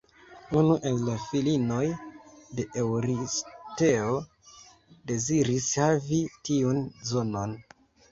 Unu el la filinoj de Eŭristeo deziris havi tiun zonon.